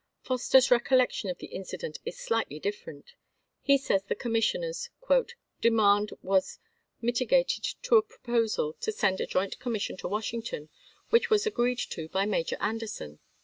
Foster's recollection of the incident is slightly different; he TOrtlq ttfe says the commissioners' "demand was mitigated on tiiecan to a proposal to send a joint commission to Wash war. ington, which was agreed to by Major Anderson."